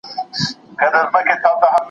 لږکي د هیواد په اقتصاد کي ونډه لري.